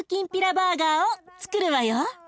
バーガーをつくるわよ。